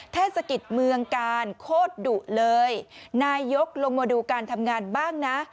เทศกิจเมืองกาลโคตรดุเลยนายกลงมาดูการทำงานบ้างนะ